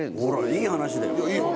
いい話だよ。